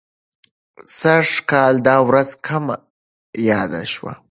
سږ کال دا ورځ کمه یاده شوه.